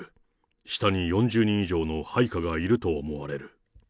下に４０人以上の配下がいると思われる。